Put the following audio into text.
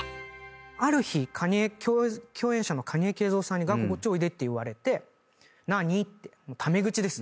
ある日共演者の蟹江敬三さんに「こっちおいで」って言われて何？ってタメ口です。